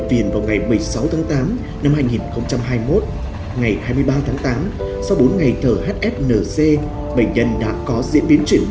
đêm sài gòn